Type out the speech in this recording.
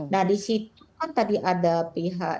nah disitu kan tadi ada pihak